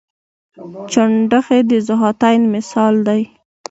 چنډخې د ذوحیاتین مثال دی